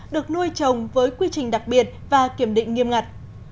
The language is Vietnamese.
được nuôi trồng với quy trình đặc biệt và kiểm định nghiêm ngặt